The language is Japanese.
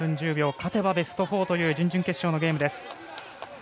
勝てばベスト４という準々決勝のゲームです。